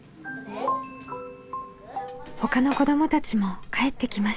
ほかの子どもたちも帰ってきました。